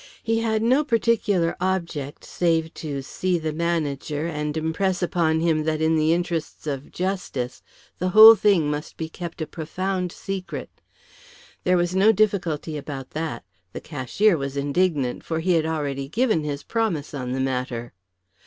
He had no particular object save to see the manager and impress upon him that in the interests of justice the whole thing must be kept a profound secret. There was no difficulty about that: the cashier was indignant, for he had already given his promise on the matter.